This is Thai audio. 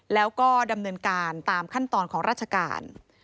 แล้วก็ดำเนินการตามขั้นตอนของราชการ